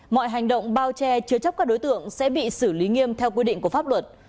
mọi hành động bao che chứa chấp các đối tượng sẽ bị xử lý nghiêm theo quy định của pháp luật